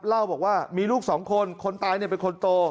เล่าบอกว่ามีลูกสองคนคนตายเป็นคนโต